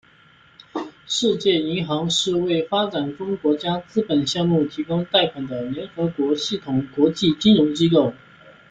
世界银行是为发展中国家资本项目提供贷款的联合国系统国际金融机构。